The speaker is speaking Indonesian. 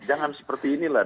jangan seperti inilah